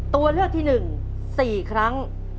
ตัวเลือกที่๑๔ครั้ง